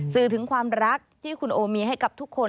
สื่อถึงความรักที่คุณโอมีให้กับทุกคน